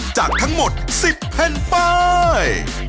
จากทั้งหมด๑๐แผ่นป้าย